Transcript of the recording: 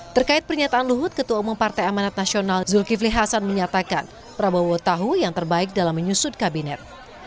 terkait pernyataan luhut ketua umum partai amanat nasional zulkifli hasan menyatakan prabowo tahu yang terbaik dalam menyusut kabinet